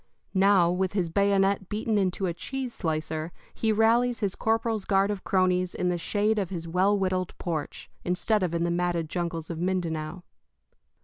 Now, with his bayonet beaten into a cheese slicer, he rallies his corporal's guard of cronies in the shade of his well whittled porch, instead of in the matted jungles of Mindanao.